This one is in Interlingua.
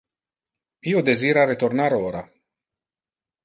Io desira retornar ora.